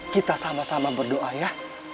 kita sama sama berdoa ya